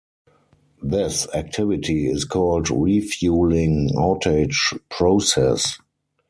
This activity is called "Refueling Outage" process.